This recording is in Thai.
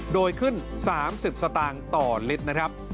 โดยขึ้น๓๐สตางค์ต่อลิตรนะครับ